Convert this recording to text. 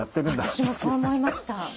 私もそう思いました。